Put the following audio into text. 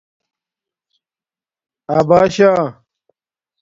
اَباشݳ